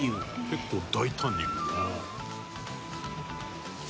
「結構大胆にいく」